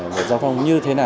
về giao thông như thế này